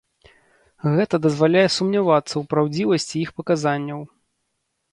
Гэта дазваляе сумнявацца ў праўдзівасці іх паказанняў.